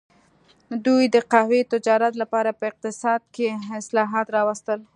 دوی د قهوې تجارت لپاره په اقتصاد کې اصلاحات راوستل.